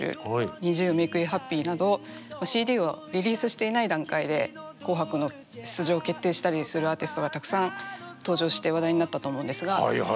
ＮｉｚｉＵ「Ｍａｋｅｙｏｕｈａｐｐｙ」などＣＤをリリースしていない段階で「紅白」の出場決定したりするアーティストがたくさん登場して話題になったと思うんですが。